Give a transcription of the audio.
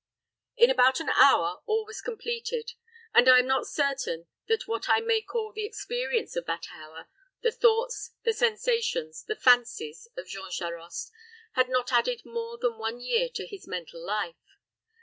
In about an hour all was completed; and I am not certain that what I may call the experience of that hour the thoughts, the sensations, the fancies of Jean Charost had not added more than one year to his mental life.